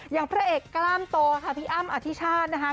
อย่างพระเอกกล้ามโตพี่อ้ำอธิชานะครับ